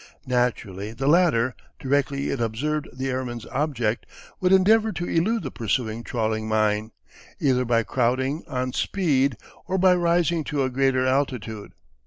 Naturally the latter, directly it observed the airman's object, would endeavour to elude the pursuing trawling mine, either by crowding on speed or by rising to a greater altitude.